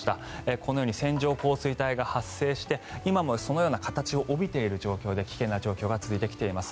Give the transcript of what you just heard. このように線状降水帯が発生して今もそのような形を帯びている状態で危険な状況が続いています。